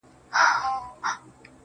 هغه ډېوه د نيمو شپو ده تور لوگى نــه دی~